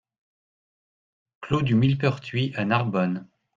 Clos du Millepertuis à Narbonne